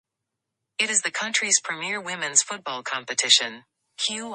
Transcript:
It is the country's premier women's football competition.